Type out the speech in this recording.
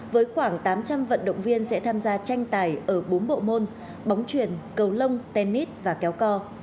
với khoảng tám trăm linh vận động viên sẽ tham gia tranh tài ở bốn bộ môn bóng truyền cầu lông tennis và kéo co